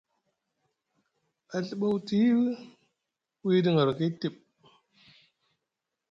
A Ɵiba wuti wiɗi ŋarakay tiɓ.